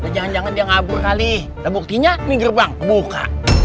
jangan jangan dia ngabur kali terbuktinya ini gerbang kebuka